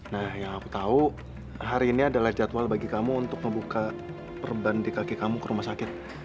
nah yang aku tahu hari ini adalah jadwal bagi kamu untuk membuka perban di kaki kamu ke rumah sakit